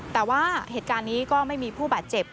แต่ว่าเหตุการณ์นี้ก็ไม่มีผู้บาดเจ็บ